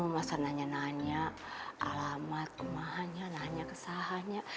masa nanya nanya alamat kemahannya nanya kesahannya